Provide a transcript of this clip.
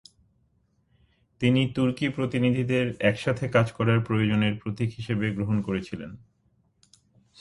তিনি তুর্কি প্রতিনিধিদের একসাথে কাজ করার প্রয়োজনের প্রতীক হিসেবে গ্রহণ করেছিলেন।